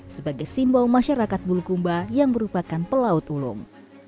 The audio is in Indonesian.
sebagai simbol masyarakat bulukumba yang merupakan pelaut ulung